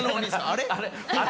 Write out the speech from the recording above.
あれ？